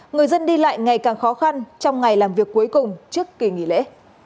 người dân đi lại ngày càng khó khăn trong ngày làm việc cuối cùng trước kỳ nghỉ lễ